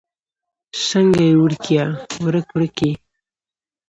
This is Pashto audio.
څنګه يې وړکيه؛ ورک ورک يې؟